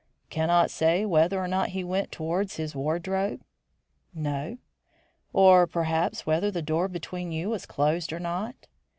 "Cannot say whether or not he went towards his wardrobe?" "No." "Or, perhaps, whether the door between you was closed or not?"